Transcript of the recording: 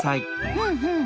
ふんふん。